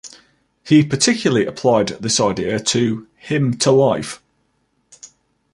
He particularly applied this idea to "Hymn to Life".